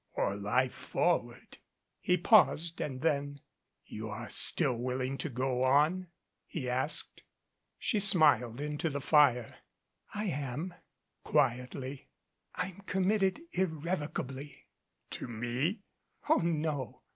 "Or lif e forward," he paused and then : "You are still willing to go on?" he asked. She smiled into the fire. "I am," quietly. "I'm committed irrevocably." "To me?" "Oh, no.